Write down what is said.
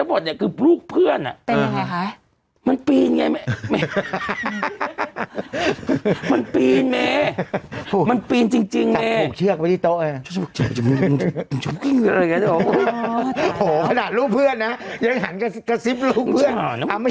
โหขนาดลูกเพื่อนนะยังหันกระซิบลูกเพื่อนชอบเนอะชอบเนอะ